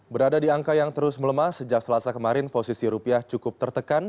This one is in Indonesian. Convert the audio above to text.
berada di angka yang terus melemah sejak selasa kemarin posisi rupiah cukup tertekan